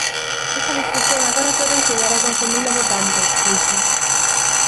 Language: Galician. Esa discusión agora pode axudar a confundir o votante, dixo.